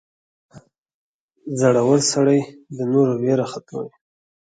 • زړور سړی د نورو ویره ختموي.